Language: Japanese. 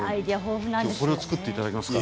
これを作っていただきますから。